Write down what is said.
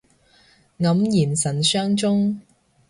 黯然神傷中